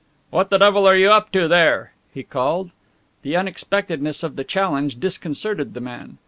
"What the devil are you up to there?" he called. The unexpectedness of the challenge disconcerted the men.